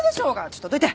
ちょっとどいて！